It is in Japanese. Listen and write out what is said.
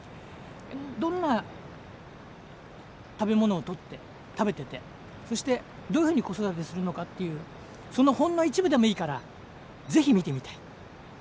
どんな食べものをとって食べててそしてどういうふうに子育てするのかっていうそのほんの一部でもいいからぜひ見てみたい。